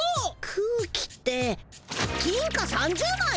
空気って金貨３０まい！？